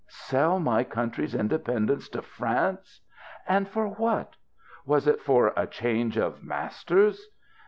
Sell my country's independence to France ! And for what 1 Was it for a change of masters